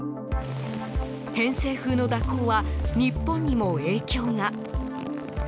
偏西風の蛇行は日本にも影響が。